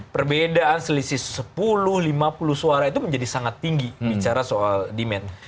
perbedaan selisih sepuluh lima puluh suara itu menjadi sangat tinggi bicara soal demand